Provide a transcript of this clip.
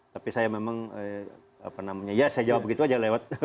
tapi saya memang ya saya jawab begitu aja lewat